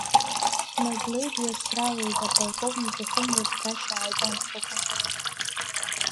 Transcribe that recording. Мадлеи дҩацралеит, аполковник ихымҩаԥгашьа ааигәамԥхакәа.